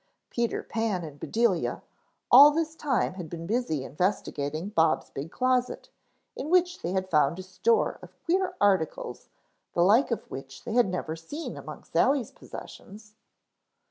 Peter Pan and Bedelia all this time had been busy investigating Bob's big closet in which they had found a store of queer articles the like of which they had never seen among Sally's possessions.